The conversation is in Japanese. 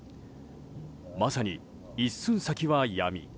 まさに一寸先は闇。